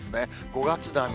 ５月並み。